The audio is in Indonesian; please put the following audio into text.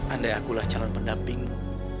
andai akulah calon pendampingmu